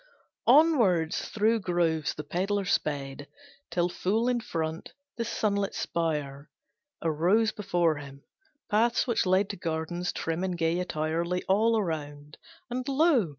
Onwards through groves the pedlar sped Till full in front the sunlit spire Arose before him. Paths which led To gardens trim in gay attire Lay all around. And lo!